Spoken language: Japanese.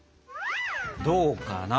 どうかな？